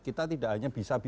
kita tidak hanya bisa